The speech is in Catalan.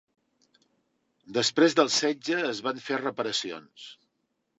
Després del setge, es van fer reparacions.